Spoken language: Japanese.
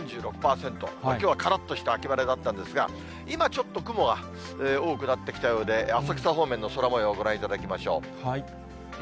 ３６％、きょうはからっとした秋晴れだったんですが、今、ちょっと雲が多くなってきたようで、浅草方面の空もよう、ご覧いただきましょう。